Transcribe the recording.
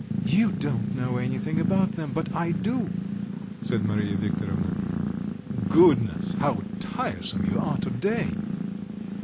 "You don't know anything about them, but I do," said Mariya Viktorovna. "Goodness, how tiresome you are to day!"